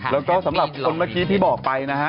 แล้วก็สำหรับคนเมื่อกี้ที่บอกไปนะฮะ